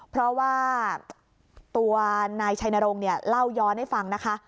เพราะว่าตัวนายชัยณโรงเล่าย้อนให้ฟังนะคะ